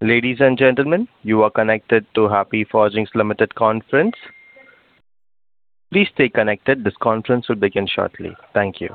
Ladies and gentlemen, you are connected to Happy Forgings Limited conference. Please stay connected. This conference will begin shortly. Thank you.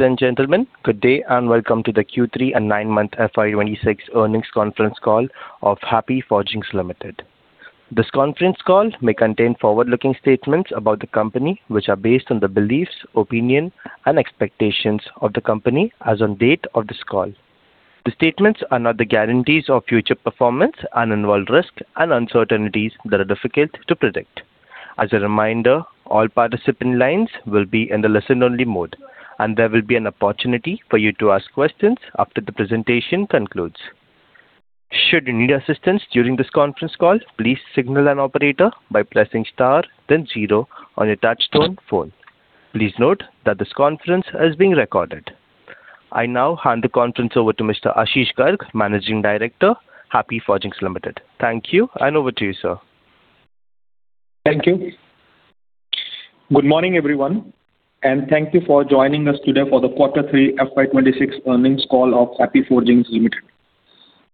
Ladies and gentlemen, good day and welcome to the Q3 and nine-month FY2026 Earnings Conference Call of Happy Forgings Limited. This conference call may contain forward-looking statements about the company, which are based on the beliefs, opinions, and expectations of the company as on date of this call. The statements are not the guarantees of future performance and involve risk and uncertainties that are difficult to predict. As a reminder, all participant lines will be in the listen-only mode, and there will be an opportunity for you to ask questions after the presentation concludes. Should you need assistance during this conference call, please signal an operator by pressing star, then zero on your touch-tone phone. Please note that this conference is being recorded. I now hand the conference over to Mr. Ashish Garg, Managing Director, Happy Forgings Limited. Thank you, and over to you, sir. Thank you. Good morning, everyone, and thank you for joining us today for the Q3 FY26 earnings call of Happy Forgings Limited.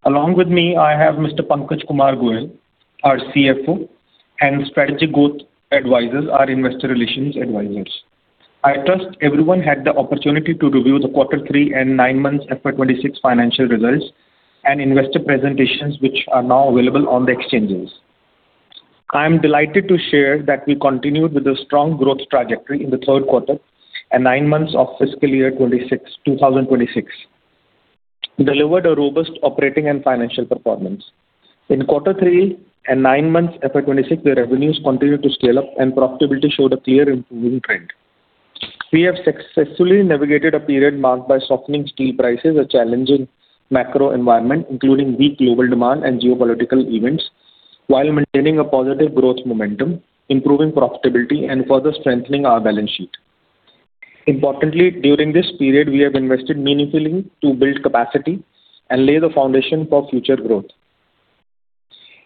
Along with me, I have Mr. Pankaj Kumar Goyal, our CFO, and Strategic Growth Advisors, our Investor Relations Advisors. I trust everyone had the opportunity to review the Q3 and nine-month FY26 financial results and investor presentations, which are now available on the exchanges. I'm delighted to share that we continued with a strong growth trajectory in the third quarter and nine months of fiscal year 2026, delivered a robust operating and financial performance. In Q3 and nine months FY26, the revenues continued to scale up, and profitability showed a clear improving trend. We have successfully navigated a period marked by softening steel prices, a challenging macro environment including weak global demand, and geopolitical events while maintaining a positive growth momentum, improving profitability, and further strengthening our balance sheet. Importantly, during this period, we have invested meaningfully to build capacity and lay the foundation for future growth,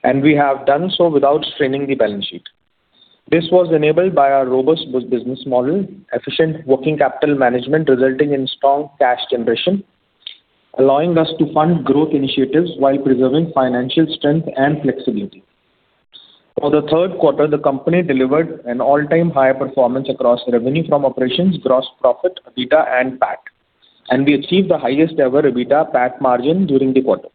and we have done so without straining the balance sheet. This was enabled by our robust business model, efficient working capital management resulting in strong cash generation, allowing us to fund growth initiatives while preserving financial strength and flexibility. For the third quarter, the company delivered an all-time high performance across revenue from operations, gross profit, EBITDA, and PAT, and we achieved the highest-ever EBITDA/PAT margin during the quarter.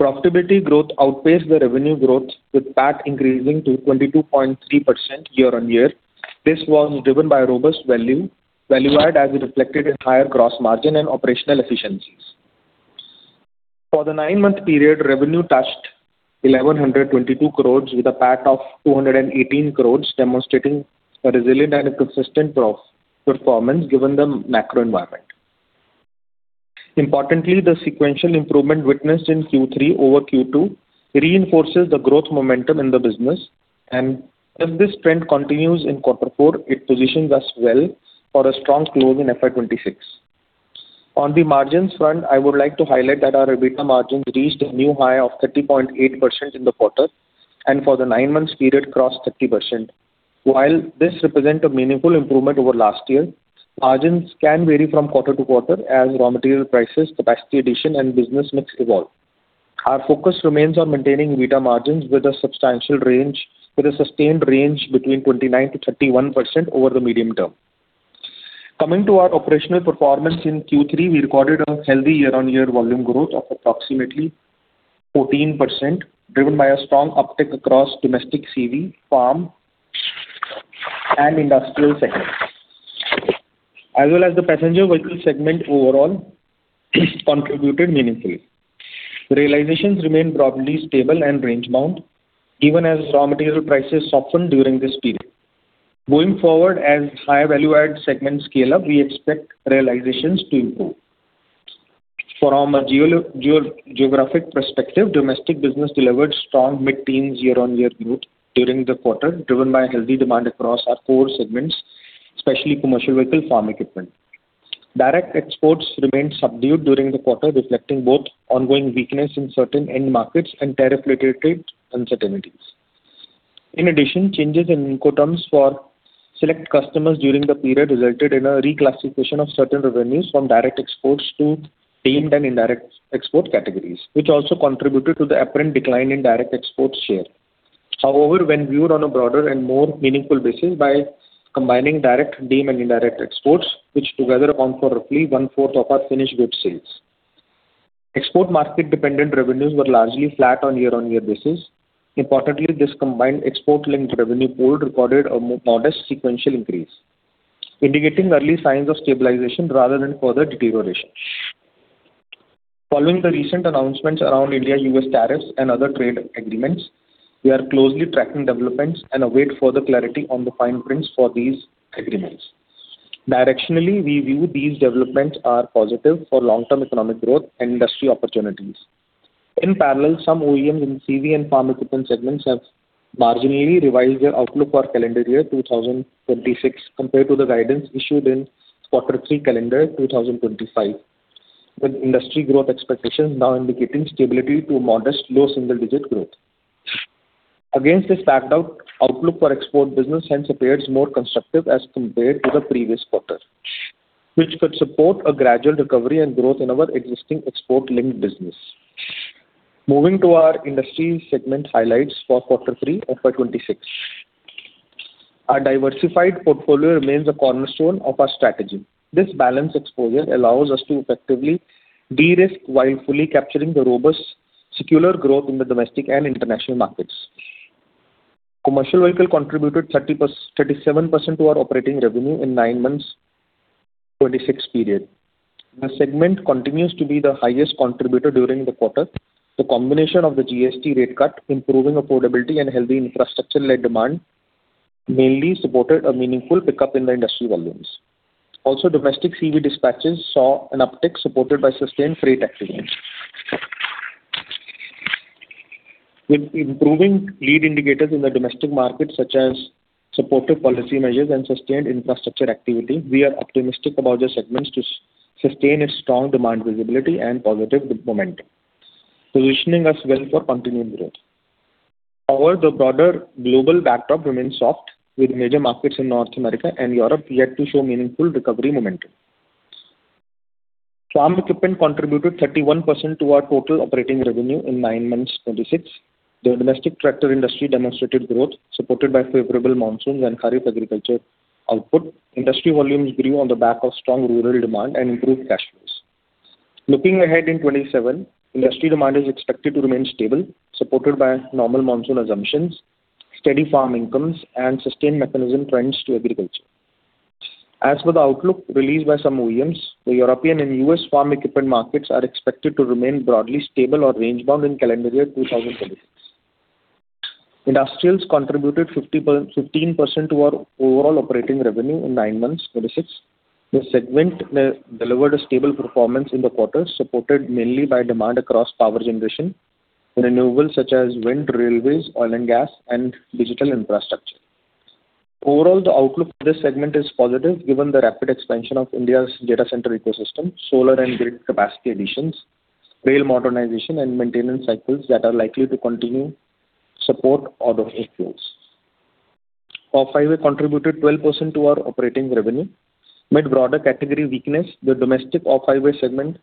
Profitability growth outpaced the revenue growth, with PAT increasing to 22.3% year-on-year. This was driven by robust value, value-add as reflected in higher gross margin and operational efficiencies. For the nine-month period, revenue touched 1,122 crore with a PAT of 218 crore, demonstrating a resilient and consistent performance given the macro environment. Importantly, the sequential improvement witnessed in Q3 over Q2 reinforces the growth momentum in the business, and if this trend continues in Q4, it positions us well for a strong close in FY 2026. On the margins front, I would like to highlight that our EBITDA margins reached a new high of 30.8% in the quarter and for the nine-month period crossed 30%. While this represents a meaningful improvement over last year, margins can vary from quarter to quarter as raw material prices, capacity addition, and business mix evolve. Our focus remains on maintaining EBITDA margins with a sustained range between 29%-31% over the medium term. Coming to our operational performance in Q3, we recorded a healthy year-over-year volume growth of approximately 14% driven by a strong uptick across domestic CV, farm, and industrial segments, as well as the passenger vehicle segment overall contributed meaningfully. Realizations remain broadly stable and range-bound even as raw material prices softened during this period. Going forward, as higher value-added segments scale up, we expect realizations to improve. From a geographic perspective, domestic business delivered strong mid-teens year-over-year growth during the quarter, driven by healthy demand across our core segments, especially commercial vehicle farm equipment. Direct exports remained subdued during the quarter, reflecting both ongoing weakness in certain end markets and tariff-related uncertainties. In addition, changes in Incoterms for select customers during the period resulted in a reclassification of certain revenues from direct exports to deemed and indirect export categories, which also contributed to the apparent decline in direct exports share. However, when viewed on a broader and more meaningful basis by combining direct, deemed, and indirect exports, which together account for roughly one-fourth of our finished goods sales, export market-dependent revenues were largely flat on year-over-year basis. Importantly, this combined export-linked revenue pool recorded a modest sequential increase, indicating early signs of stabilization rather than further deterioration. Following the recent announcements around India-U.S. tariffs and other trade agreements, we are closely tracking developments and await further clarity on the fine prints for these agreements. Directionally, we view these developments are positive for long-term economic growth and industry opportunities. In parallel, some OEMs in CV and farm equipment segments have marginally revised their outlook for calendar year 2026 compared to the guidance issued in Q3 calendar 2025, with industry growth expectations now indicating stability to modest low single-digit growth. Against this backed-up outlook, our export business hence appears more constructive as compared to the previous quarter, which could support a gradual recovery and growth in our existing export-linked business. Moving to our industry segment highlights for Q3 FY26, our diversified portfolio remains a cornerstone of our strategy. This balanced exposure allows us to effectively de-risk while fully capturing the robust secular growth in the domestic and international markets. Commercial vehicle contributed 37% to our operating revenue in the nine-month 2026 period. The segment continues to be the highest contributor during the quarter. The combination of the GST rate cut, improving affordability, and healthy infrastructure-led demand mainly supported a meaningful pickup in the industry volumes. Also, domestic CV dispatches saw an uptick supported by sustained freight activities. With improving lead indicators in the domestic market, such as supportive policy measures and sustained infrastructure activity, we are optimistic about the segments to sustain its strong demand visibility and positive momentum, positioning us well for continued growth. However, the broader global backdrop remains soft, with major markets in North America and Europe yet to show meaningful recovery momentum. Farm equipment contributed 31% to our total operating revenue in nine-month 2026. The domestic tractor industry demonstrated growth supported by favorable monsoons and Kharif agriculture output. Industry volumes grew on the back of strong rural demand and improved cash flows. Looking ahead in 2027, industry demand is expected to remain stable, supported by normal monsoon assumptions, steady farm incomes, and sustained mechanization trends to agriculture. As for the outlook released by some OEMs, the European and U.S. farm equipment markets are expected to remain broadly stable or range-bound in calendar year 2026. Industrials contributed 15% to our overall operating revenue in nine-month 2026. The segment delivered a stable performance in the quarter, supported mainly by demand across power generation, renewables such as wind, railways, oil and gas, and digital infrastructure. Overall, the outlook for this segment is positive given the rapid expansion of India's data center ecosystem, solar and grid capacity additions, rail modernization, and maintenance cycles that are likely to continue support auto vehicles. Off-highway contributed 12% to our operating revenue. Amid broader category weakness: the domestic off-highway segment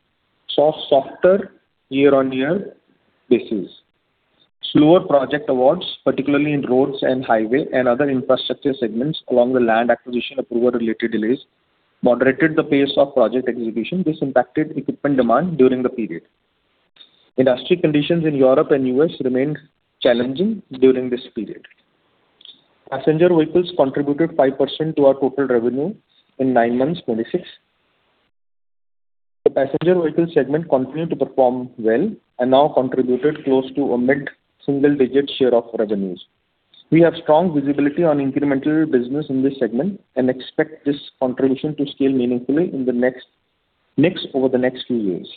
saw softer year-over-year basis. Slower project awards, particularly in roads and highway and other infrastructure segments along the land acquisition approval-related delays, moderated the pace of project execution. This impacted equipment demand during the period. Industry conditions in Europe and U.S. remained challenging during this period. Passenger vehicles contributed 5% to our total revenue in nine-month 2026. The passenger vehicle segment continued to perform well and now contributed close to a mid-single-digit share of revenues. We have strong visibility on incremental business in this segment and expect this contribution to scale meaningfully over the next few years.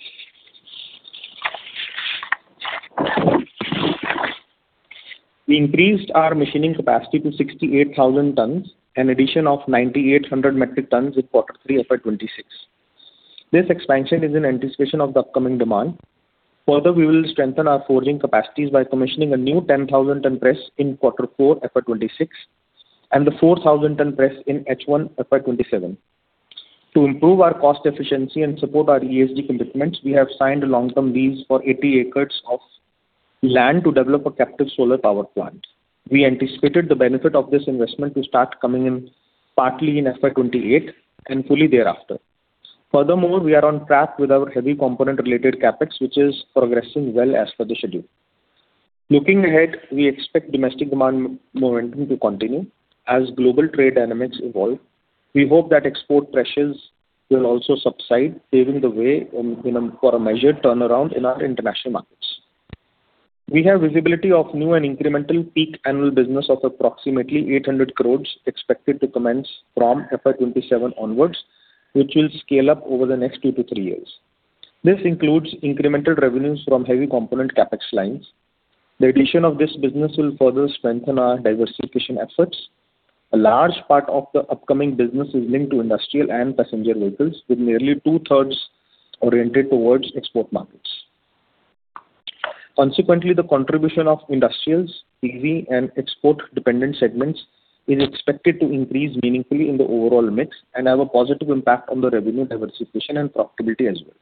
We increased our machining capacity to 68,000 tons, an addition of 9,800 metric tons in Q3 FY26. This expansion is in anticipation of the upcoming demand. Further, we will strengthen our forging capacities by commissioning a new 10,000-ton press in Q4 FY26 and the 4,000-ton press in H1 FY27. To improve our cost efficiency and support our ESG commitments, we have signed long-term leases for 80 acres of land to develop a captive solar power plant. We anticipated the benefit of this investment to start coming in partly in FY28 and fully thereafter. Furthermore, we are on track with our heavy component-related CapEx, which is progressing well as per the schedule. Looking ahead, we expect domestic demand momentum to continue as global trade dynamics evolve. We hope that export pressures will also subside, paving the way for a measured turnaround in our international markets. We have visibility of new and incremental peak annual business of approximately INR 800 crore expected to commence from FY27 onwards, which will scale up over the next two to three years. This includes incremental revenues from heavy component CapEx lines. The addition of this business will further strengthen our diversification efforts. A large part of the upcoming business is linked to industrial and passenger vehicles, with nearly two-thirds oriented towards export markets. Consequently, the contribution of industrials, EV, and export-dependent segments is expected to increase meaningfully in the overall mix and have a positive impact on the revenue diversification and profitability as well.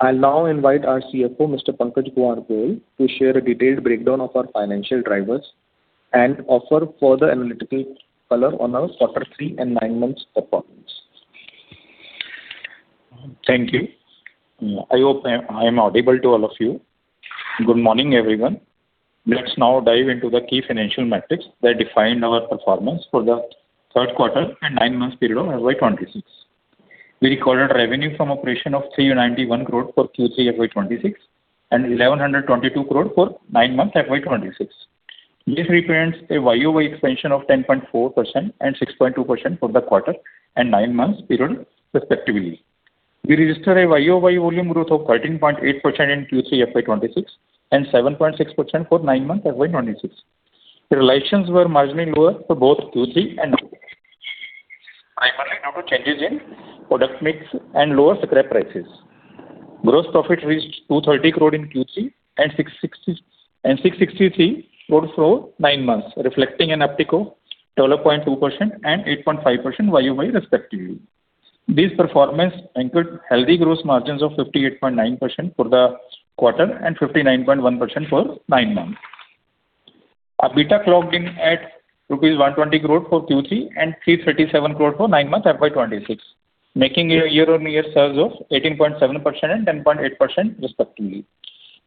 I'll now invite our CFO, Mr. Pankaj Kumar Goyal, to share a detailed breakdown of our financial drivers and offer further analytical color on our Q3 and nine-month performance. Thank you. I hope I am audible to all of you. Good morning, everyone. Let's now dive into the key financial metrics that defined our performance for the third quarter and nine-month period of FY26. We recorded revenue from operations of 391 crore for Q3 FY26 and 1,122 crore for nine-month FY26. This represents a YoY expansion of 10.4% and 6.2% for the quarter and nine-month period respectively. We registered a YoY volume growth of 13.8% in Q3 FY26 and 7.6% for nine-month FY26. Realizations were marginally lower for both Q3 and Q4, primarily due to changes in product mix and lower scrap prices. Gross profit reached 230 crore in Q3 and 663 crore for nine months, reflecting an uptick of 12.2% and 8.5% YoY respectively. This performance anchored healthy gross margins of 58.9% for the quarter and 59.1% for nine months. EBITDA clocked in at rupees 120 crore for Q3 and 337 crore for nine-month FY26, making a year-on-year surge of 18.7% and 10.8% respectively.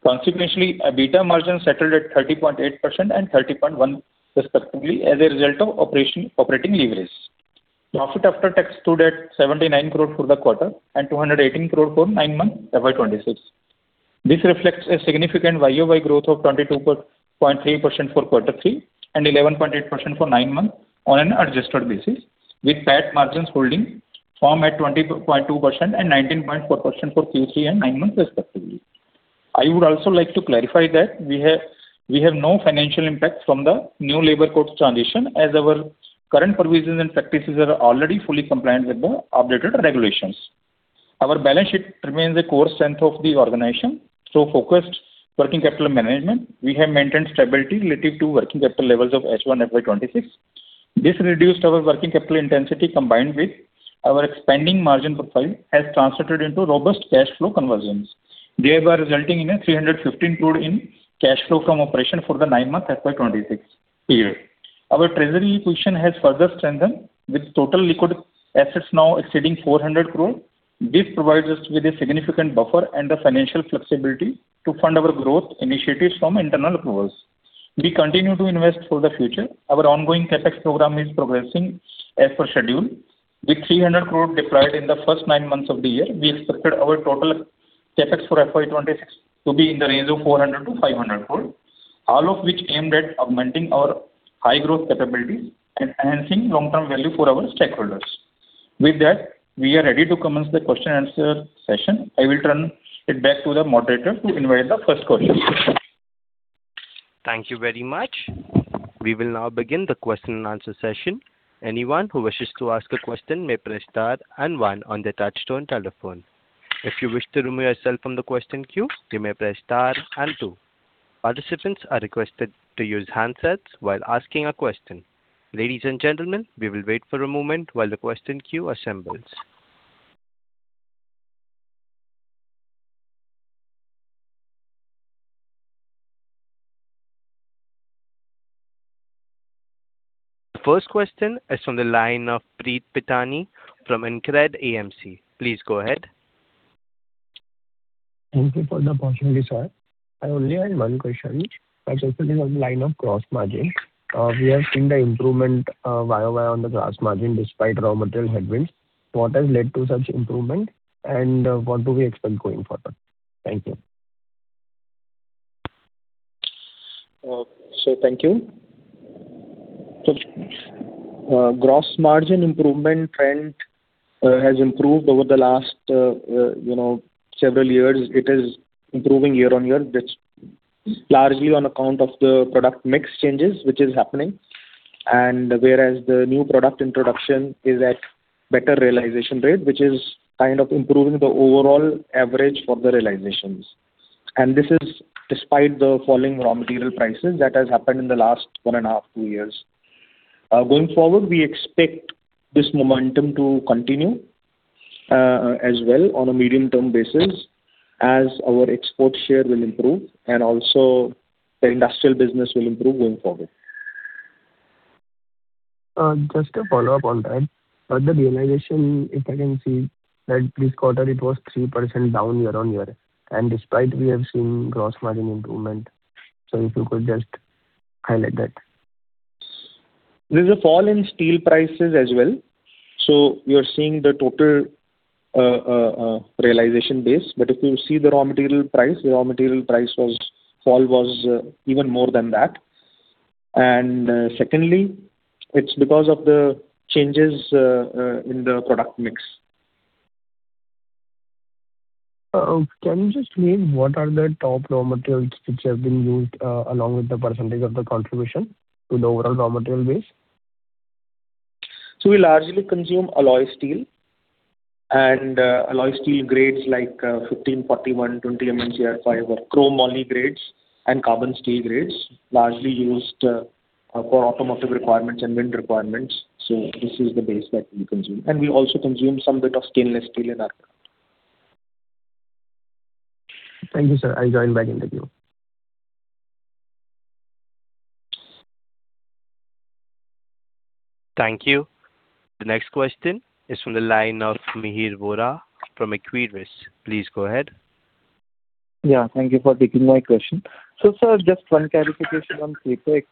Consequently, EBITDA margins settled at 30.8% and 30.1% respectively as a result of operating leverage. Profit after tax stood at 79 crore for the quarter and 218 crore for nine-month FY26. This reflects a significant YoY growth of 22.3% for Q3 and 11.8% for nine months on an adjusted basis, with PAT margins holding firm at 20.2% and 19.4% for Q3 and nine months respectively. I would also like to clarify that we have no financial impact from the new labor code transition as our current provisions and practices are already fully compliant with the updated regulations. Our balance sheet remains a core strength of the organization. Through focused working capital management, we have maintained stability relative to working capital levels of H1 FY26. This reduced our working capital intensity combined with our expanding margin profile has translated into robust cash flow conversions, thereby resulting in 315 crore in cash flow from operations for the nine-month FY26 period. Our treasury position has further strengthened, with total liquid assets now exceeding 400 crore. This provides us with a significant buffer and financial flexibility to fund our growth initiatives from internal approvals. We continue to invest for the future. Our ongoing CapEx program is progressing as per schedule. With 300 crore deployed in the first nine months of the year, we expected our total CapEx for FY26 to be in the range of 400-500 crore, all of which aimed at augmenting our high growth capabilities and enhancing long-term value for our stakeholders. With that, we are ready to commence the question-and-answer session. I will turn it back to the moderator to invite the first question. Thank you very much. We will now begin the question-and-answer session. Anyone who wishes to ask a question may press star and one on the touch-tone telephone. If you wish to remove yourself from the question queue, you may press star and two. Participants are requested to use handsets while asking a question. Ladies and gentlemen, we will wait for a moment while the question queue assembles. The first question is from the line of Preet Pitani from InCred AMC. Please go ahead. Thank you for the opportunity, sir. I only had one question. I was also on the line of gross margin. We have seen the improvement YoY on the gross margin despite raw material headwinds. What has led to such improvement, and what do we expect going forward? Thank you. So thank you. Gross margin improvement trend has improved over the last several years. It is improving year-on-year. That's largely on account of the product mix changes, which is happening, whereas the new product introduction is at better realization rate, which is kind of improving the overall average for the realizations. And this is despite the falling raw material prices that have happened in the last one and a half to two years. Going forward, we expect this momentum to continue as well on a medium-term basis as our export share will improve and also the industrial business will improve going forward. Just to follow up on that, the realization, if I can see that this quarter, it was 3% down year-on-year, and despite we have seen gross margin improvement. So if you could just highlight that. There's a fall in steel prices as well. So you're seeing the total realization base. But if you see the raw material price, the raw material price fall was even more than that. And secondly, it's because of the changes in the product mix. Can you just name what are the top raw materials which have been used along with the percentage of the contribution to the overall raw material base? So we largely consume alloy steel, and alloy steel grades like 1541, 20MnCr5, or chrome-moly grades, and carbon steel grades largely used for automotive requirements and wind requirements. So this is the base that we consume. And we also consume some bit of stainless steel in our product. Thank you, sir. I'll join back in the queue. Thank you. The next question is from the line of Mihir Vora from Equirus. Please go ahead. Yeah. Thank you for taking my question. So, sir, just one clarification on Capex.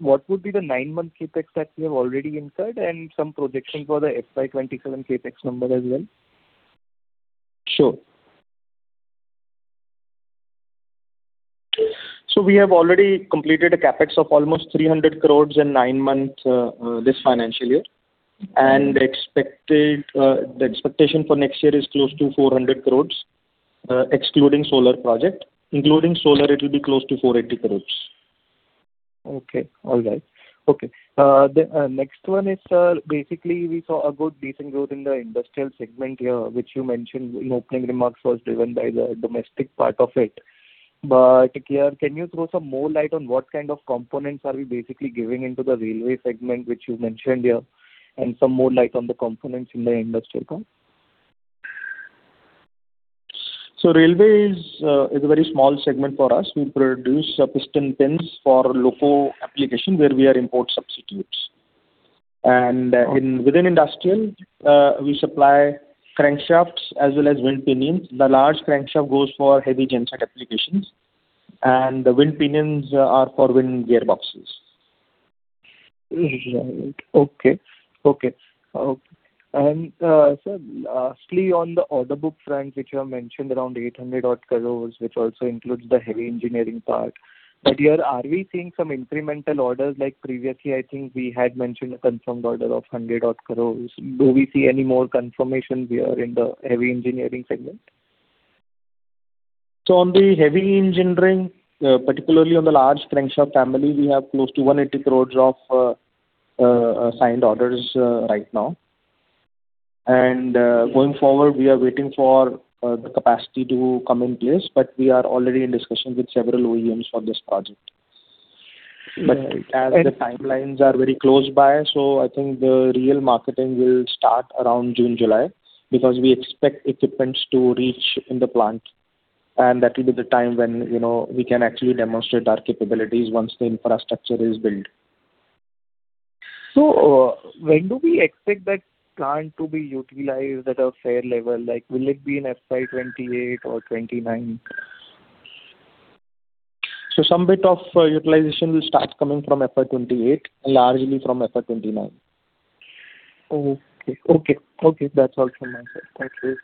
What would be the nine-month Capex that we have already incurred and some projections for the FY27 Capex number as well? Sure. So we have already completed a CapEx of almost 300 crore in nine months this financial year. And the expectation for next year is close to 400 crore, excluding solar project. Including solar, it will be close to 480 crore. Okay. All right. Okay. Next one is, sir, basically, we saw a good decent growth in the industrial segment here, which you mentioned in opening remarks was driven by the domestic part of it. But here, can you throw some more light on what kind of components are we basically giving into the railway segment, which you mentioned here, and some more light on the components in the industrial part? So railway is a very small segment for us. We produce piston pins for loco application where we are import substitutes. And within industrial, we supply crankshafts as well as wind pinions. The large crankshaft goes for heavy genset applications. The wind pinions are for wind gearboxes. Okay. Okay. Okay. And, sir, lastly, on the order book front, which you have mentioned around 800 crore, which also includes the heavy engineering part, but here, are we seeing some incremental orders? Previously, I think we had mentioned a confirmed order of 100 crore. Do we see any more confirmation here in the heavy engineering segment? So on the heavy engineering, particularly on the large crankshaft family, we have close to 180 crore of signed orders right now. And going forward, we are waiting for the capacity to come in place, but we are already in discussion with several OEMs for this project. But as the timelines are very close by, so I think the real marketing will start around June, July because we expect equipment to reach in the plant. That will be the time when we can actually demonstrate our capabilities once the infrastructure is built. So when do we expect that plant to be utilized at a fair level? Will it be in FY28 or FY29? So some bit of utilization will start coming from FY28 and largely from FY29. Okay. Okay. Okay. That's all from my side. Thank you.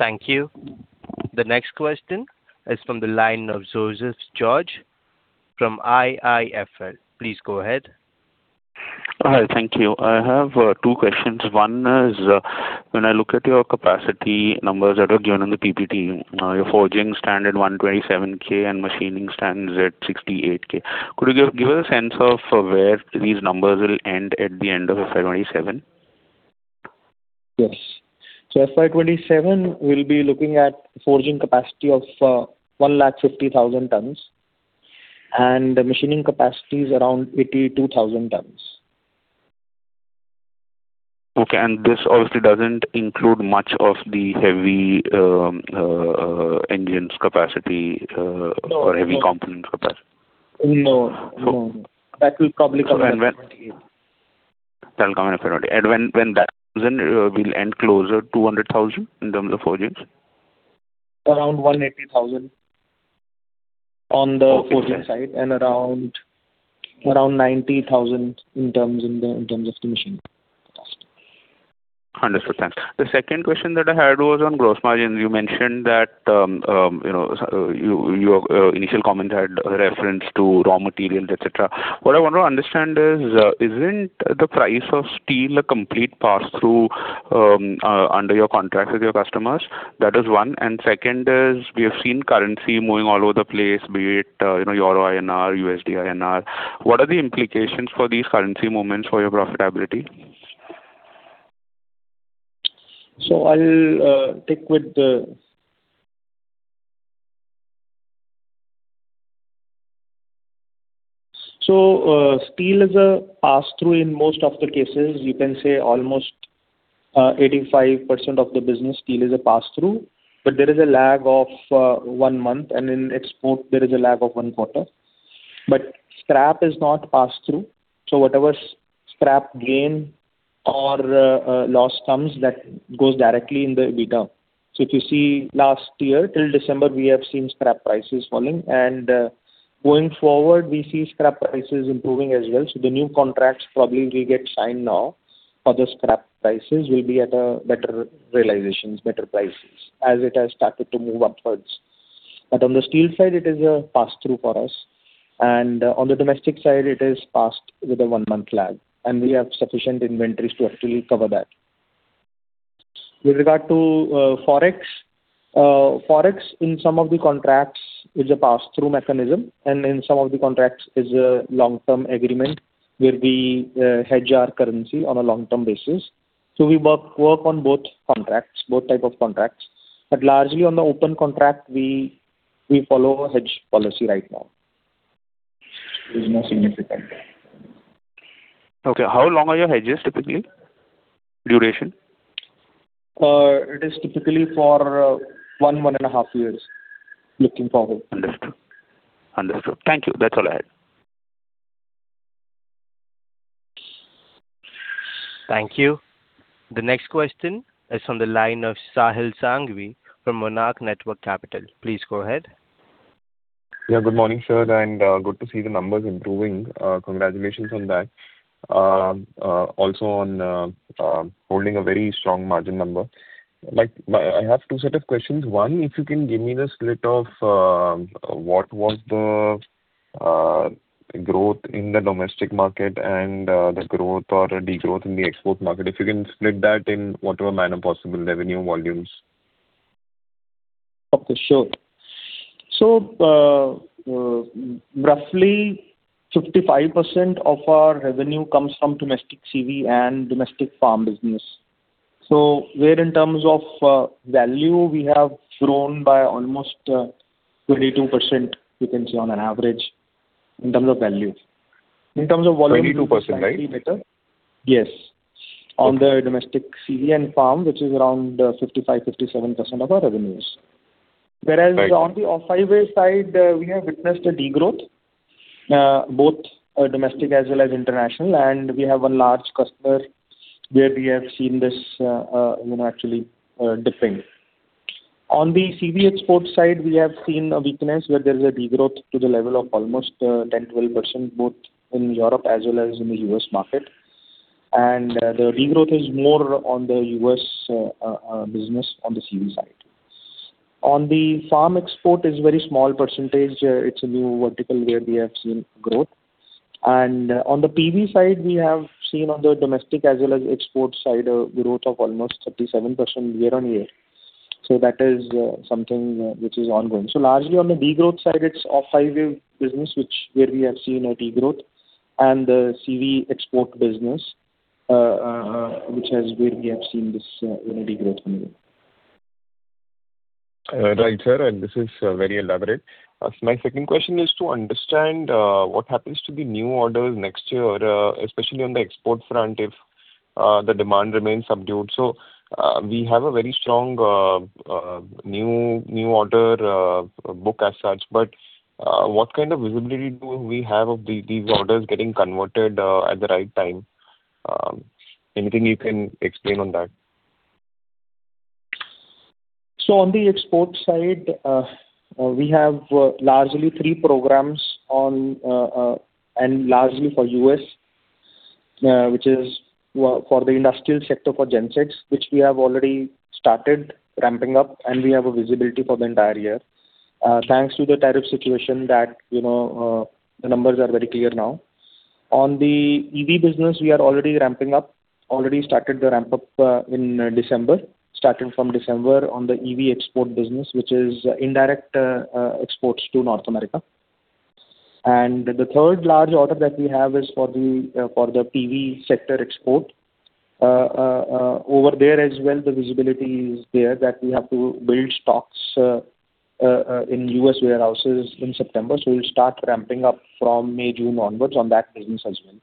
Thank you. The next question is from the line of Joseph George from IIFL. Please go ahead. Hi. Thank you. I have two questions. One is, when I look at your capacity numbers that are given in the PPT, your forging stands at 127,000 and machining stands at 68,000. Could you give us a sense of where these numbers will end at the end of FY27? Yes. So FY27, we'll be looking at forging capacity of 150,000 tons and machining capacities around 82,000 tons. Okay. And this obviously doesn't include much of the heavy engines capacity or heavy components capacity? No. No. No. That will probably come in FY28. That'll come in FY28. And when that comes in, we'll end closer to 200,000 in terms of forgings? Around 180,000 on the forging side and around 90,000 in terms of the machining capacity. Understood. Thanks. The second question that I had was on gross margins. You mentioned that your initial comment had reference to raw materials, etc. What I want to understand is, isn't the price of steel a complete pass-through under your contract with your customers? That is one. And second is, we have seen currency moving all over the place, be it euro INR, USD INR. What are the implications for these currency movements for your profitability? So I'll take with the so steel is a pass-through in most of the cases. You can say almost 85% of the business, steel is a pass-through, but there is a lag of one month, and in export, there is a lag of one quarter. But scrap is not pass-through. So whatever scrap gain or loss comes, that goes directly in the EBITDA. So if you see last year, till December, we have seen scrap prices falling. And going forward, we see scrap prices improving as well. So the new contracts probably we get signed now for the scrap prices will be at better realizations, better prices as it has started to move upwards. But on the steel side, it is a pass-through for us. And on the domestic side, it is passed with a one-month lag, and we have sufficient inventories to actually cover that. With regard to forex, forex in some of the contracts is a pass-through mechanism, and in some of the contracts is a long-term agreement where we hedge our currency on a long-term basis. So we work on both types of contracts. But largely, on the open contract, we follow hedge policy right now. There's no significant gap. Okay. How long are your hedges, typically, duration? It is typically for one, one and a half years looking forward. Understood. Understood. Thank you. That's all I had. Thank you. The next question is from the line of Sahil Sanghvi from Monarch Networth Capital. Please go ahead. Yeah. Good morning, sir, and good to see the numbers improving. Congratulations on that, also on holding a very strong margin number. I have two set of questions. One, if you can give me the split of what was the growth in the domestic market and the growth or degrowth in the export market, if you can split that in whatever manner possible, revenue volumes. Okay. Sure. So roughly, 55% of our revenue comes from domestic CV and domestic farm business. So where in terms of value, we have grown by almost 22%, you can see on an average in terms of value. In terms of volume, it's actually better. 22%, right? Yes. On the domestic CV and farm, which is around 55%-57% of our revenues. Whereas on the off-highway side, we have witnessed a degrowth, both domestic as well as international, and we have one large customer where we have seen this actually dipping. On the CV export side, we have seen a weakness where there is a degrowth to the level of almost 10%-12%, both in Europe as well as in the U.S. market. And the degrowth is more on the U.S. business on the CV side. On the farm export, it's a very small percentage. It's a new vertical where we have seen growth. And on the PV side, we have seen on the domestic as well as export side a growth of almost 37% year-on-year. So that is something which is ongoing. So largely, on the degrowth side, it's off-highway business where we have seen a degrowth and the CV export business, which is where we have seen this degrowth coming in. All right, sir. And this is very elaborate. My second question is to understand what happens to the new orders next year, especially on the export front if the demand remains subdued. So we have a very strong new order book as such, but what kind of visibility do we have of these orders getting converted at the right time? Anything you can explain on that? So on the export side, we have largely three programs and largely for U.S., which is for the industrial sector for gensets, which we have already started ramping up, and we have a visibility for the entire year thanks to the tariff situation that the numbers are very clear now. On the EV business, we are already ramping up, already started the ramp-up in December, starting from December on the EV export business, which is indirect exports to North America. And the third large order that we have is for the PV sector export. Over there as well, the visibility is there that we have to build stocks in U.S. warehouses in September. So we'll start ramping up from May, June onwards on that business as well.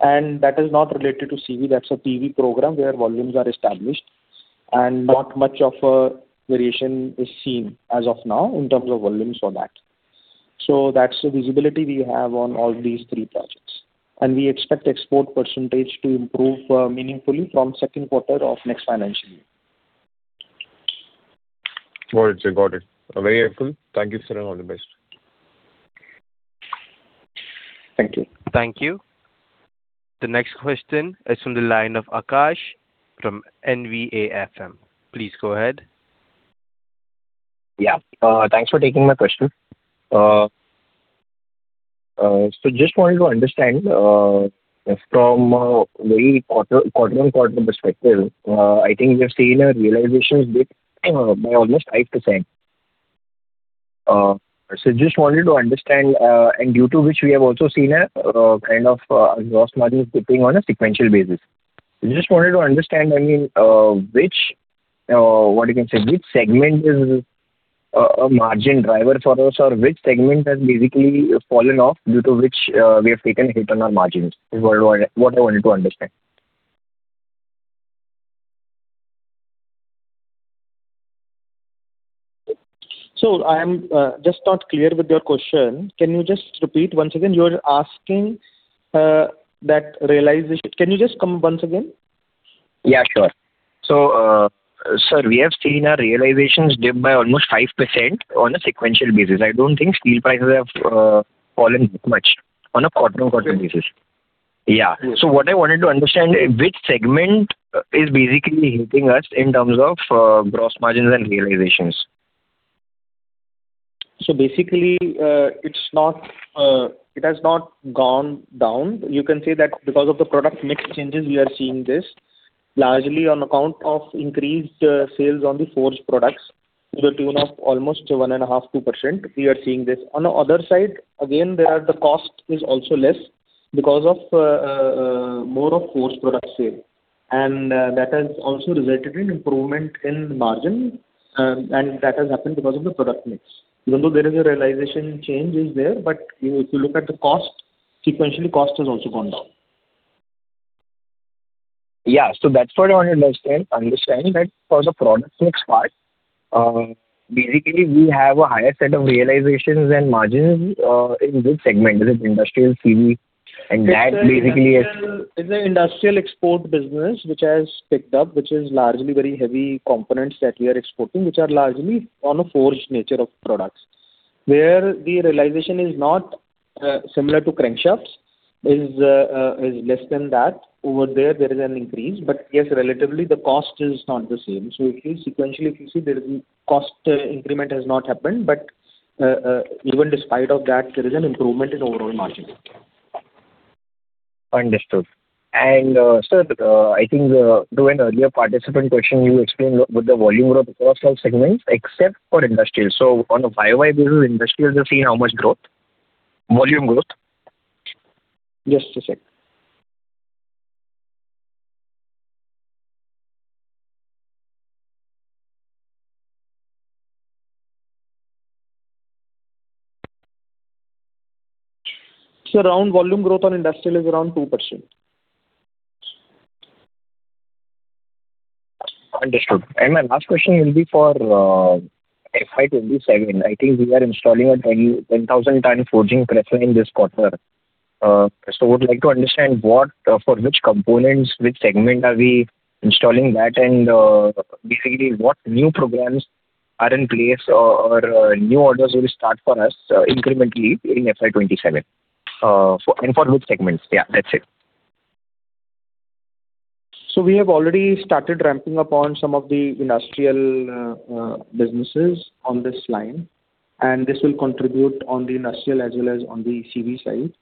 And that is not related to CV. That's a PV program where volumes are established, and not much of a variation is seen as of now in terms of volumes for that. So that's the visibility we have on all these three projects. And we expect export percentage to improve meaningfully from second quarter of next financial year. All right, sir. Got it. Very helpful. Thank you, sir, and all the best. Thank you. Thank you. The next question is from the line of Akash from NVAFM. Please go ahead. Yeah. Thanks for taking my question. So just wanted to understand from a very quarter-on-quarter perspective, I think we have seen a realization dip by almost 5%. So just wanted to understand, and due to which we have also seen a kind of gross margins dipping on a sequential basis. Just wanted to understand, I mean, what you can say, which segment is a margin driver for us or which segment has basically fallen off due to which we have taken a hit on our margins is what I wanted to understand. So I am just not clear with your question. Can you just repeat once again? You're asking that realization. Can you just come once again? Yeah. Sure. So, sir, we have seen a realizations dip by almost 5% on a sequential basis. I don't think steel prices have fallen that much on a quarter-on-quarter basis. Yeah. So what I wanted to understand, which segment is basically hitting us in terms of gross margins and realizations? So basically, it has not gone down. You can say that because of the product mix changes, we are seeing this largely on account of increased sales on the forged products to the tune of almost 1.5%-2%. We are seeing this. On the other side, again, the cost is also less because of more of forged products sale. That has also resulted in improvement in margin. That has happened because of the product mix. Even though there is a realization change is there, but if you look at the cost, sequentially, cost has also gone down. Yeah. So that's what I wanted to understand. For the product mix part, basically, we have a higher set of realizations and margins in this segment. Is it industrial CV? And that basically is. It's an industrial export business which has picked up, which is largely very heavy components that we are exporting, which are largely on a forged nature of products where the realization is not similar to crankshafts, is less than that. Over there, there is an increase. But yes, relatively, the cost is not the same. So sequentially, if you see, the cost increment has not happened. But even despite of that, there is an improvement in overall margin. Understood. And, sir, I think to an earlier participant question, you explained with the volume growth across all segments except for industrial. So on a five-year basis, industrial has seen how much growth, volume growth? Just a sec. So around volume growth on industrial is around 2%. Understood. And my last question will be for FY 2027. I think we are installing a 10,000-ton press line this quarter. So I would like to understand for which components, which segment are we installing that, and basically, what new programs are in place or new orders will start for us incrementally in FY27 and for which segments. Yeah. That's it. We have already started ramping up on some of the industrial businesses on this line, and this will contribute on the industrial as well as on the CV side.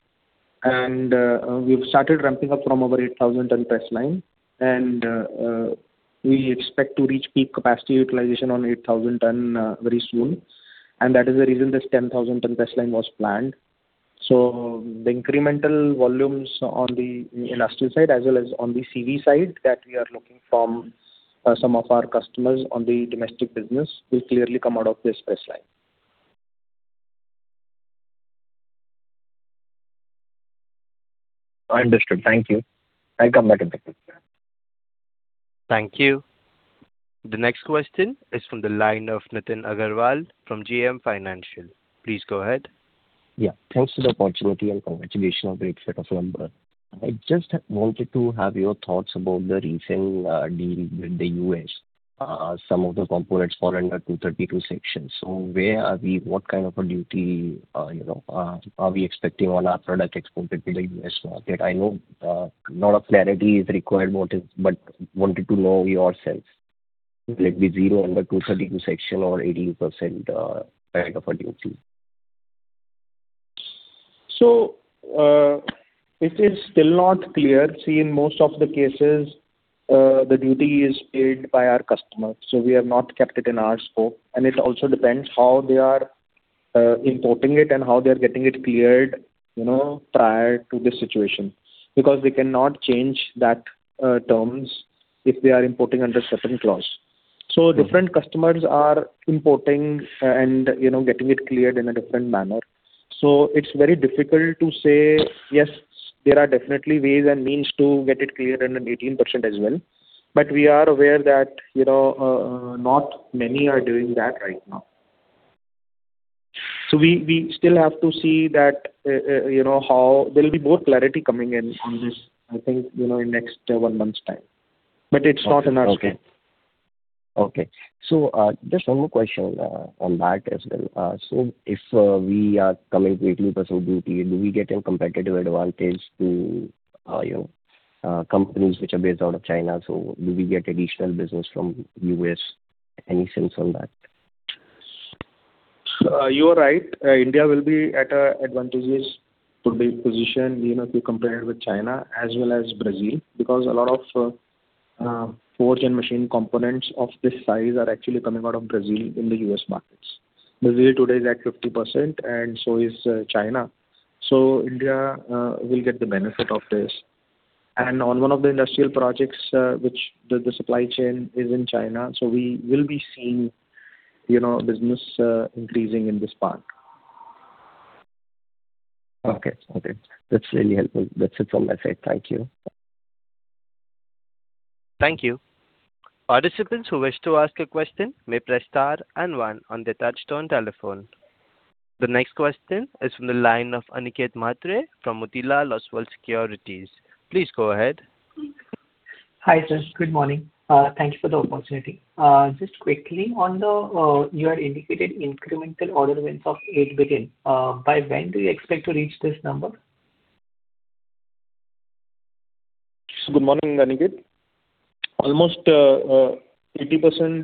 We've started ramping up from over 8,000-ton press line, and we expect to reach peak capacity utilization on 8,000-ton very soon. That is the reason this 10,000-ton press line was planned. The incremental volumes on the industrial side as well as on the CV side that we are looking from some of our customers on the domestic business will clearly come out of this press line. Understood. Thank you. I'll come back in a second. Thank you. The next question is from the line of Nitin Agrawal from JM Financial. Please go ahead. Yeah. Thanks for the opportunity and congratulations on the excellent numbers. I just wanted to have your thoughts about the recent deal with the U.S. Some of the components fall under Section 232. So where are we? What kind of a duty are we expecting on our product exported to the U.S. market? I know a lot of clarity is required, but wanted to know yourself, will it be zero under Section 232 or 80% kind of a duty? So it is still not clear. See, in most of the cases, the duty is paid by our customers. So we have not kept it in our scope. It also depends how they are importing it and how they are getting it cleared prior to this situation because they cannot change those terms if they are importing under certain clause. So different customers are importing and getting it cleared in a different manner. So it's very difficult to say, "Yes, there are definitely ways and means to get it cleared under 18% as well." But we are aware that not many are doing that right now. So we still have to see how there'll be more clarity coming in on this, I think, in next one month's time. But it's not in our scope. Okay. Okay. So just one more question on that as well. So if we are coming to 80% duty, do we get a competitive advantage to companies which are based out of China? So do we get additional business from the U.S.? Any sense on that? You are right. India will be at an advantageous position if you compare it with China as well as Brazil because a lot of forged and machine components of this size are actually coming out of Brazil in the U.S. markets. Brazil today is at 50%, and so is China. So India will get the benefit of this. And on one of the industrial projects, the supply chain is in China. So we will be seeing business increasing in this part. Okay. Okay. That's really helpful. That's it from my side. Thank you. Thank you. Participants who wish to ask a question may press star and one on their touch-tone telephone. The next question is from the line of Aniket Mhatre from Motilal Oswal Securities. Please go ahead. Hi, sir. Good morning. Thank you for the opportunity. Just quickly, you had indicated incremental order wins of 8 billion. By when do you expect to reach this number? So good morning, Aniket. Almost 80%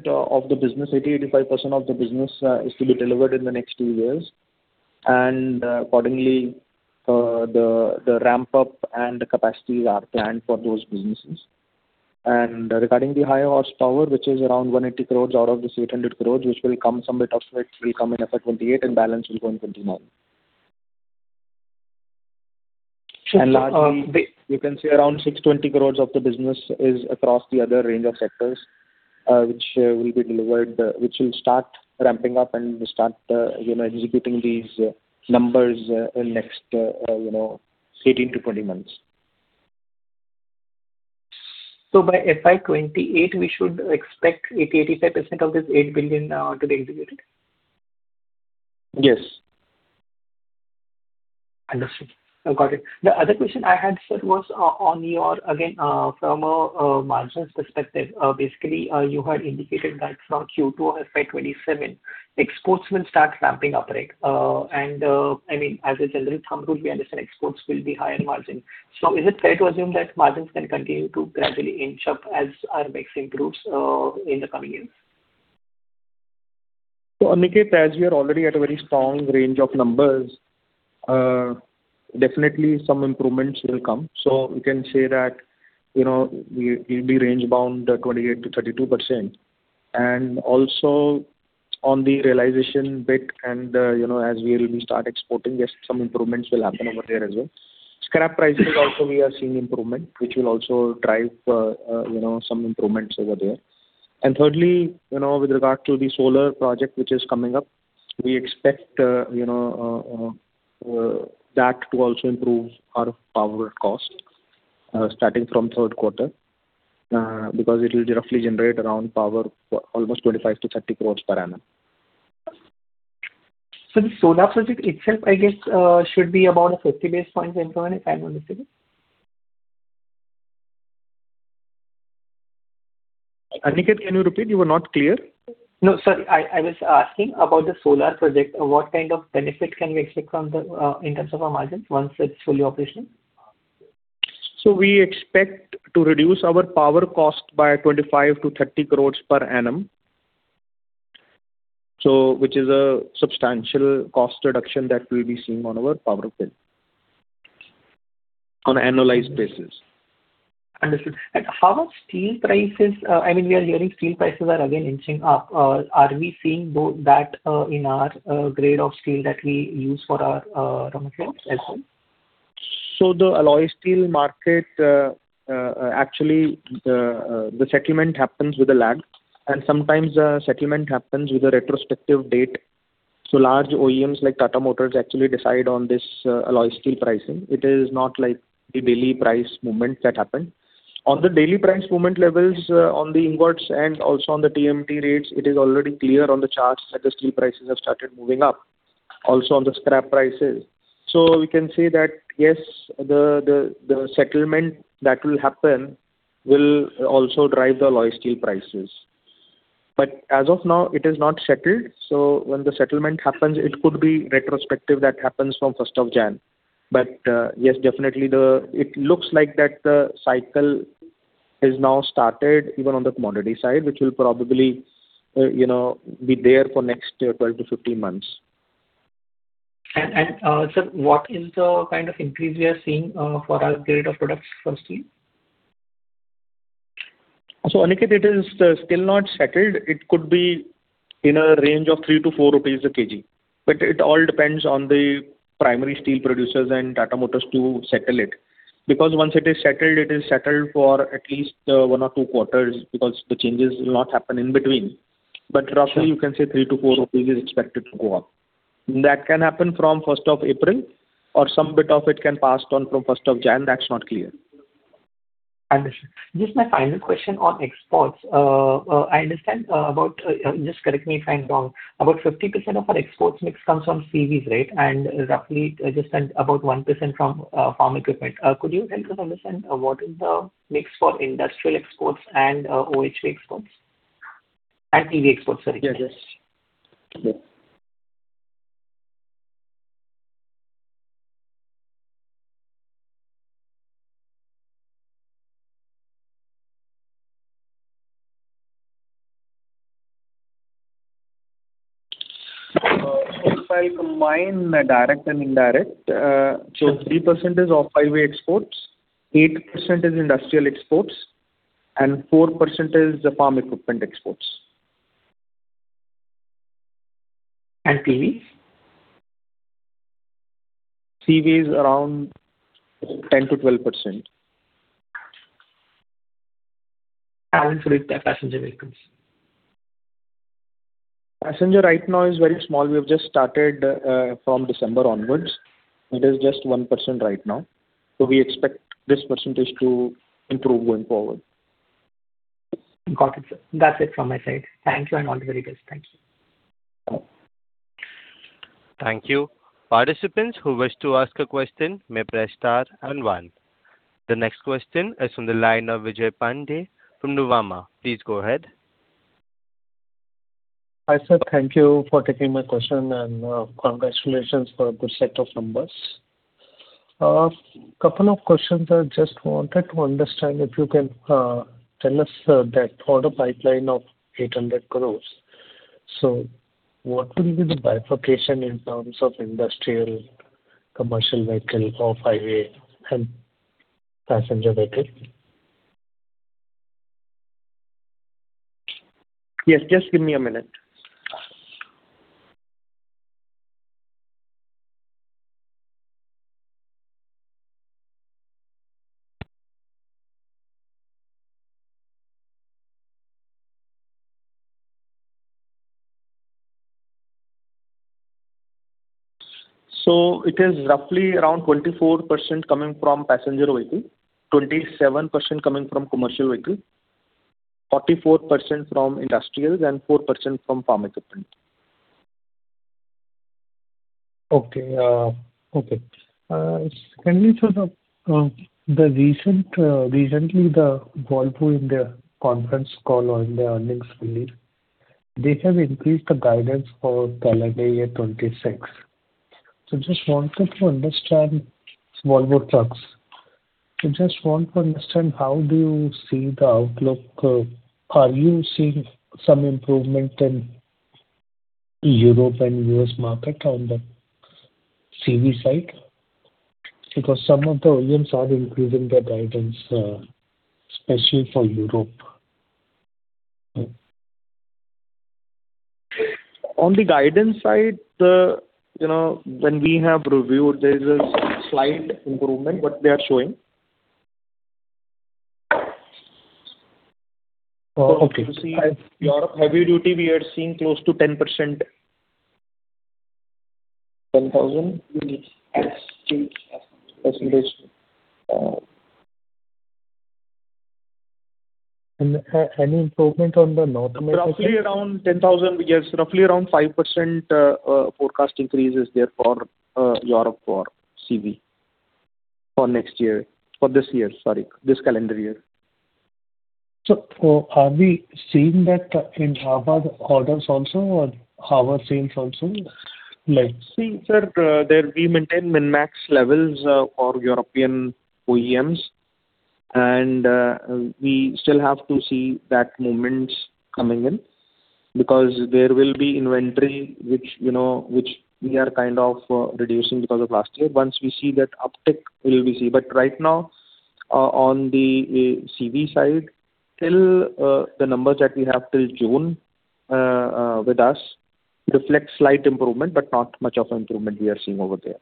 of the business, 80%-85% of the business is to be delivered in the next two years. And accordingly, the ramp-up and the capacities are planned for those businesses. And regarding the high horsepower, which is around 180 crore out of this 800 crore, which will come some bit of it will come in FY28, and balance will go in FY29. And largely, you can see around 620 crore of the business is across the other range of sectors, which will be delivered, which will start ramping up and start executing these numbers in next 18-20 months. So by FY28, we should expect 80%-85% of this 8 billion to be executed? Yes. Understood. Got it. The other question I had, sir, was on your again, from a margins perspective. Basically, you had indicated that from Q2 of FY27, exports will start ramping up, right? And I mean, as a general thumb rule, we understand exports will be higher margin. So is it fair to assume that margins can continue to gradually inch up as our mix improves in the coming years? So Aniket, as we are already at a very strong range of numbers, definitely, some improvements will come. So you can say that we'll be range-bound 28%-32%. And also on the realization bit, and as we will start exporting, yes, some improvements will happen over there as well. Scrap prices also, we are seeing improvement, which will also drive some improvements over there. Thirdly, with regard to the solar project, which is coming up, we expect that to also improve our power cost starting from third quarter because it will roughly generate around power, almost 25-30 crore per annum. So the solar project itself, I guess, should be about a 50 basis points income, if I'm understanding? Aniket, can you repeat? You were not clear. No, sorry. I was asking about the solar project. What kind of benefit can we expect in terms of our margins once it's fully operational? So we expect to reduce our power cost by 25-30 crore per annum, which is a substantial cost reduction that will be seen on our power bill on an annualized basis. Understood. And how about steel prices? I mean, we are hearing steel prices are, again, inching up. Are we seeing that in our grade of steel that we use for our raw materials as well? So the alloy steel market, actually, the settlement happens with a lag. And sometimes, settlement happens with a retrospective date. So large OEMs like Tata Motors actually decide on this alloy steel pricing. It is not like the daily price movement that happened. On the daily price movement levels on the ingots and also on the TMT rates, it is already clear on the charts that the steel prices have started moving up, also on the scrap prices. So we can say that, yes, the settlement that will happen will also drive the alloy steel prices. But as of now, it is not settled. So when the settlement happens, it could be retrospective that happens from 1st of January. But yes, definitely, it looks like that the cycle is now started even on the commodity side, which will probably be there for next 12-15 months. And, sir, what is the kind of increase we are seeing for our grade of products for steel? So Aniket, it is still not settled. It could be in a range of 3-4 rupees/kg, but it all depends on the primary steel producers and Tata Motors to settle it because once it is settled, it is settled for at least one or two quarters because the changes will not happen in between. But roughly, you can say 3-4 rupees is expected to go up. That can happen from 1st of April, or some bit of it can pass on from 1st of January. That's not clear. Understood. Just my final question on exports. I understand, but just correct me if I'm wrong. About 50% of our export mix comes from CVs, right? And roughly, just about 1% from farm equipment. Could you help us understand what is the mix for industrial exports and OHV exports and PV exports? Sorry. Yes, yes. If I combine direct and indirect, so 3% is off-highway exports, 8% is industrial exports, and 4% is farm equipment exports. And CVs? CVs around 10%-12%. How is it with passenger vehicles? Passenger right now is very small. We have just started from December onwards. It is just 1% right now. So we expect this percentage to improve going forward. Got it, sir. That's it from my side. Thank you, and all the very best. Thank you. Thank you. Participants who wish to ask a question may press star and one. The next question is from the line of Vijay Pandey from Nuvama. Please go ahead. Hi, sir. Thank you for taking my question, and congratulations for a good set of numbers. A couple of questions I just wanted to understand if you can tell us that for the pipeline of 800 crore, so what will be the bifurcation in terms of industrial, commercial vehicle, off-highway, and passenger vehicle? Yes. Just give me a minute. So it is roughly around 24% coming from passenger vehicle, 27% coming from commercial vehicle, 44% from industrials, and 4% from farm equipment. Okay. Okay. Secondly, recently, Volvo in their conference call or in their earnings, I believe, they have increased the guidance for calendar year 2026. So I just wanted to understand Volvo trucks. So I just want to understand, how do you see the outlook? Are you seeing some improvement in Europe and U.S. market on the CV side? Because some of the OEMs are increasing their guidance, especially for Europe. On the guidance side, when we have reviewed, there is a slight improvement, what they are showing. So you see Europe heavy duty, we are seeing close to 10%. 10,000? Yes. And any improvement on the North America? Roughly around 10,000. Yes, roughly around 5% forecast increase is there for Europe for CV for this year, sorry, this calendar year. So are we seeing that in Harvard orders also or Harvard sales also? See, sir, we maintain min-max levels for European OEMs. And we still have to see that movement coming in because there will be inventory, which we are kind of reducing because of last year. Once we see that uptick, we'll be seeing. But right now, on the CV side, till the numbers that we have till June with us reflect slight improvement, but not much of an improvement we are seeing over there.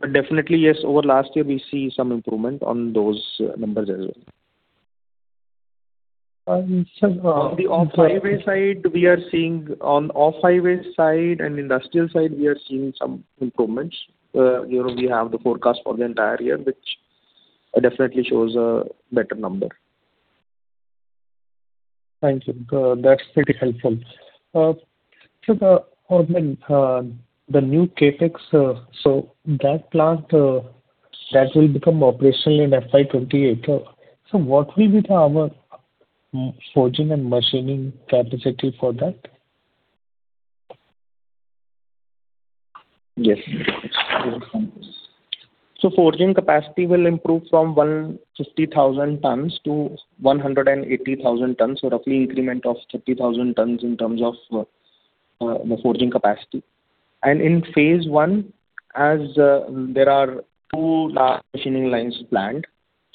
But definitely, yes, over last year, we see some improvement on those numbers as well. On the off-highway side, we are seeing on off-highway side and industrial side, we are seeing some improvements. We have the forecast for the entire year, which definitely shows a better number. Thank you. That's pretty helpful. Sir, the new capex, so that plant that will become operational in FY28, so what will be our forging and machining capacity for that? Yes. So forging capacity will improve from 150,000 tons to 180,000 tons, so roughly increment of 30,000 tons in terms of the forging capacity. In phase one, as there are two large machining lines planned,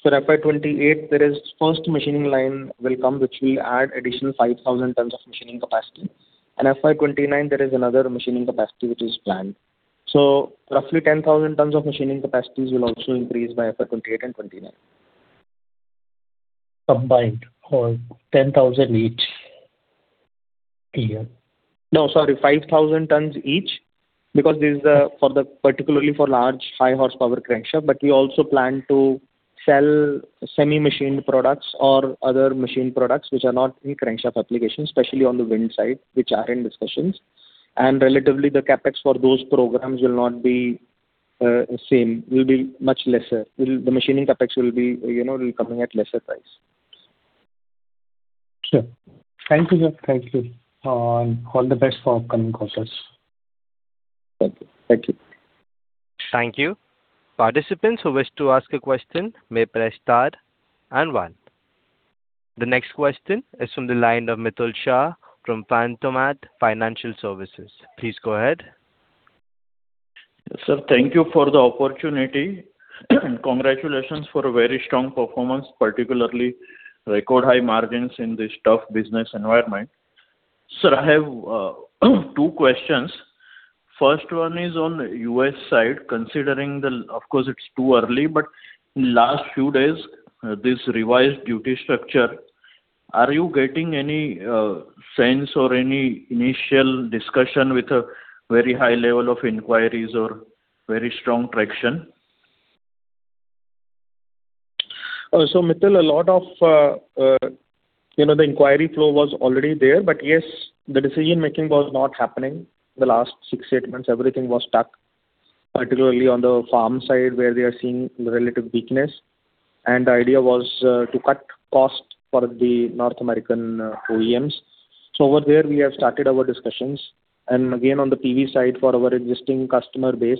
for FY28, the first machining line will come, which will add additional 5,000 tons of machining capacity. In FY29, there is another machining capacity which is planned. So roughly 10,000 tons of machining capacities will also increase by FY28 and 2029. Combined or 10,000 each a year? No, sorry, 5,000 tons each because this is particularly for large, high-horsepower crankshaft. But we also plan to sell semi-machined products or other machined products which are not in crankshaft application, especially on the wind side, which are in discussions. And relatively, the Capex for those programs will not be the same. It will be much lesser. The machining Capex will be coming at lesser price. Sure. Thank you, sir. Thank you. Thank you. Thank you. Participants who wish to ask a question may press star and one. The next question is from the line of Mitul Shah from Pantomath Financial Services. Please go ahead. Sir, thank you for the opportunity. And congratulations for a very strong performance, particularly record high margins in this tough business environment. Sir, I have two questions. First one is on the U.S. side. Considering that, of course, it's too early, but in the last few days, this revised duty structure, are you getting any sense or any initial discussion with a very high level of inquiries or very strong traction? So Mitul, a lot of the inquiry flow was already there. But yes, the decision-making was not happening the last six to eight months. Everything was stuck, particularly on the farm side where they are seeing relative weakness. And the idea was to cut cost for the North American OEMs. So over there, we have started our discussions. And again, on the PV side for our existing customer base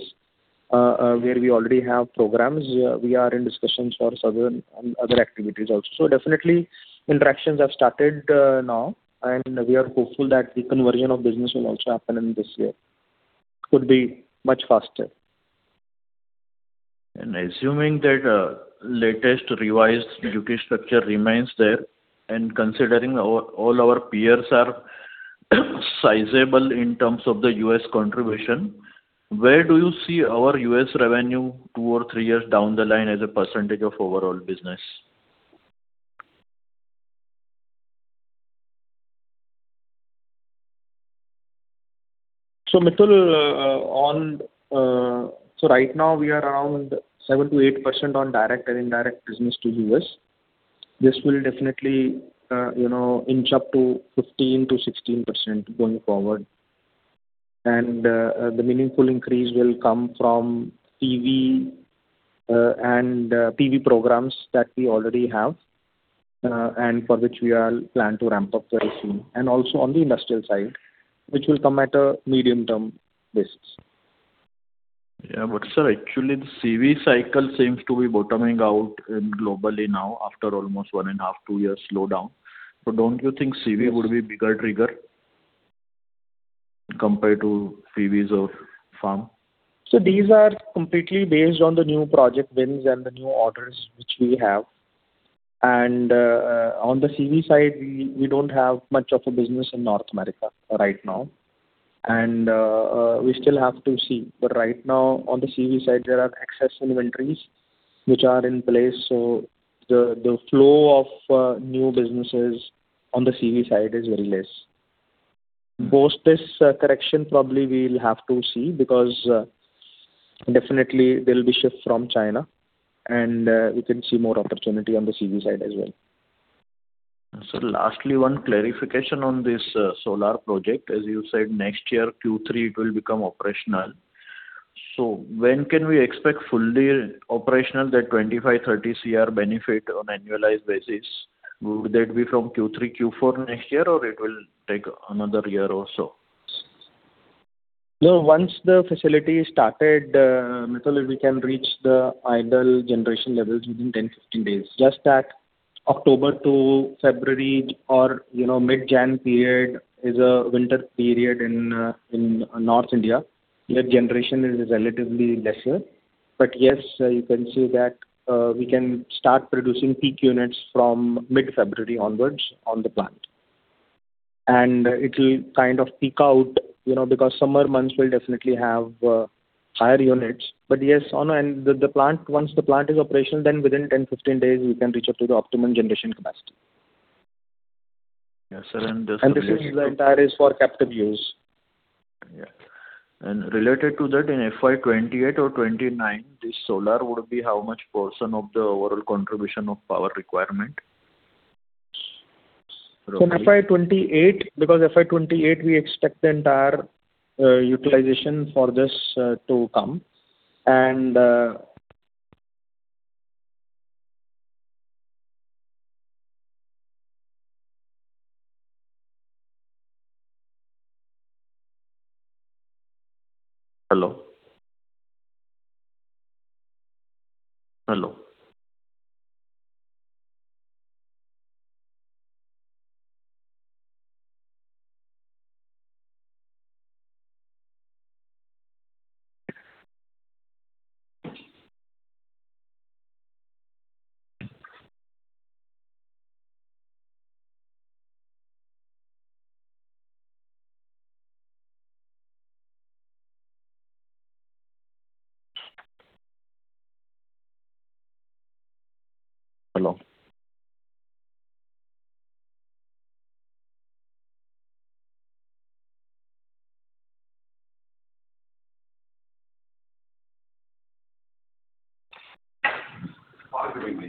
where we already have programs, we are in discussions for sourcing and other activities also. So definitely, interactions have started now. And we are hopeful that the conversion of business will also happen in this year. It could be much faster. And assuming that latest revised duty structure remains there and considering all our peers are sizable in terms of the U.S. contribution, where do you see our U.S. revenue two or three years down the line as a percentage of overall business? So Mitul, so right now, we are around 7%-8% on direct and indirect business to U.S. This will definitely inch up to 15%-16% going forward. The meaningful increase will come from PV programs that we already have and for which we all plan to ramp up very soon, and also on the industrial side, which will come at a medium-term basis. Yeah. But sir, actually, the CV cycle seems to be bottoming out globally now after almost one and a half, two years slowdown. So don't you think CV would be a bigger trigger compared to PVs or farm? So these are completely based on the new project wins and the new orders which we have. And on the CV side, we don't have much of a business in North America right now. And we still have to see. But right now, on the CV side, there are excess inventories which are in place. So the flow of new businesses on the CV side is very less. But this correction, probably, we'll have to see because definitely, there'll be shift from China. And we can see more opportunity on the CV side as well. So lastly, one clarification on this solar project. As you said, next year, Q3, it will become operational. So when can we expect fully operational that 25-30 crore benefit on annualized basis? Would that be from Q3, Q4 next year, or it will take another year or so? No, once the facility is started, Mitul, we can reach the ideal generation levels within 10-15 days. Just that October to February or mid-January period is a winter period in North India. Yet, generation is relatively lesser. But yes, you can see that we can start producing peak units from mid-February onwards on the plant. And it will kind of peak out because summer months will definitely have higher units. But yes, and once the plant is operational, then within 10-15 days, we can reach up to the optimum generation capacity. Yes, sir. And this is the entire is for captive use. Yeah. And related to that, in FY2028 or FY2029, this solar would be how much % of the overall contribution of power requirement? So in FY2028, because FY2028, we expect the entire utilization for this to come. And. Hello? Hello?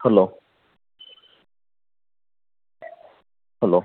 Hello? Hello? Hello?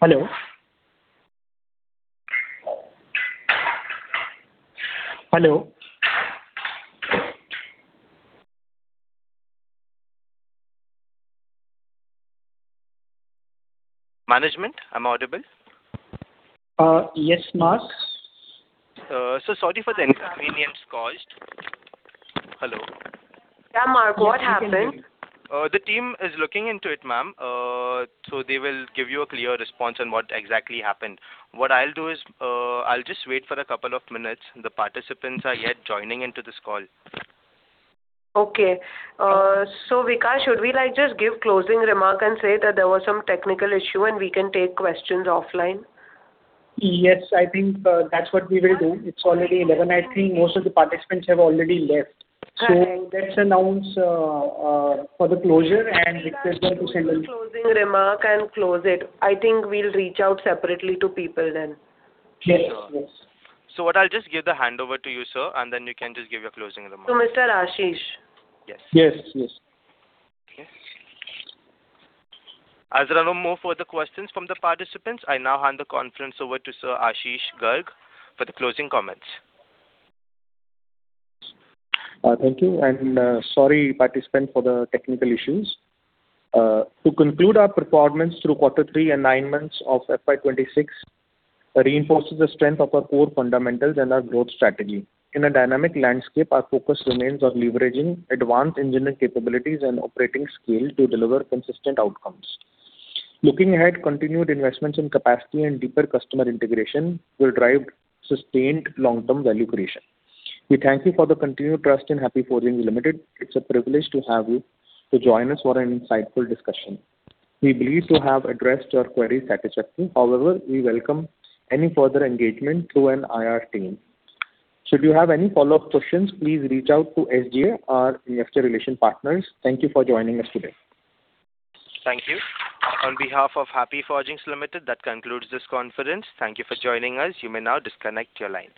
Hello? Hello? Management, am I audible? Yes, Mark. So sorry for the inconvenience caused. Hello? Yeah, Mark. What happened? The team is looking into it, ma'am. So they will give you a clear response on what exactly happened. What I'll do is I'll just wait for a couple of minutes. The participants are yet joining into this call. Okay. So should we just give a closing remark and say that there was some technical issue and we can take questions offline? Yes, I think that's what we will do. It's already 11:00 A.M., I think. Most of the participants have already left. So let's announce for the closure and request them to send an. Send a closing remark and close it. I think we'll reach out separately to people then. Yes. So what I'll just give the handover to you, sir, and then you can just give your closing remark. To Mr. Ashish? Yes. Yes, yes. As there are no more further questions from the participants, I now hand the conference over to Sir Ashish Garg for the closing comments. Thank you. And sorry, participants, for the technical issues. To conclude, our performance through Q3 and nine months of FY26 reinforces the strength of our core fundamentals and our growth strategy. In a dynamic landscape, our focus remains on leveraging advanced engineering capabilities and operating scale to deliver consistent outcomes. Looking ahead, continued investments in capacity and deeper customer integration will drive sustained long-term value creation. We thank you for the continued trust in Happy Forgings Limited. It's a privilege to have you join us for an insightful discussion. We believe to have addressed your queries satisfactorily. However, we welcome any further engagement through an IR team. Should you have any follow-up questions, please reach out to SGA, our IR relation partners. Thank you for joining us today. Thank you. On behalf of Happy Forgings Limited, that concludes this conference. Thank you for joining us. You may now disconnect your line.